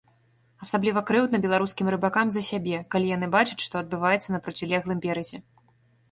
Асабліва крыўдна беларускім рыбакам за сябе, калі яны бачаць, што адбываецца на процілеглым беразе.